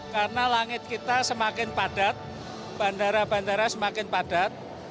karena langit kita semakin padat bandara bandara semakin padat